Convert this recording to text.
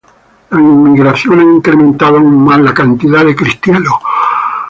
La inmigración ha incrementado aún más la cantidad de cristianos.